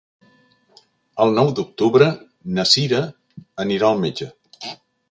El nou d'octubre na Cira anirà al metge.